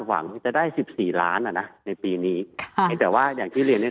หวังจะได้สิบสี่ล้านอะนะในปีนี้แต่ว่าอย่างที่เรียนได้